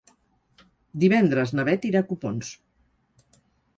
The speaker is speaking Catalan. Divendres na Beth irà a Copons.